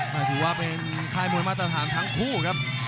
ถือว่าเป็นค่ายมวยมาตรฐานทั้งคู่ครับ